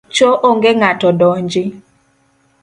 Cho onge ng’ato donji.